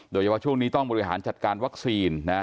โดยเฉพาะช่วงนี้ต้องบริหารจัดการวัคซีน